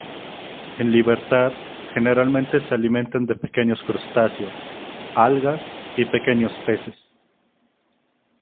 En libertad, generalmente se alimentan de pequeños crustáceos, algas, y pequeños peces.